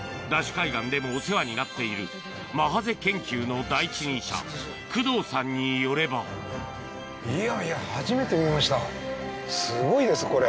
海岸でもお世話になっているマハゼ研究の第一人者工藤さんによればいやいや。